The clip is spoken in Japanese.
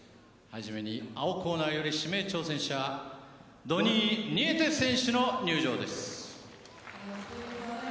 初めに青コーナーより指名挑戦者、ドニー・ニエテス選手の入場です。